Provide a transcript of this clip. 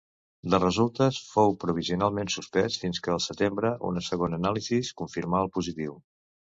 De resultes fou provisionalment suspès, fins que al setembre una segona anàlisi confirmà el positiu.